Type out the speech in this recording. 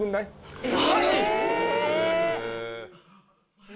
はい！